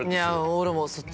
俺もそっち。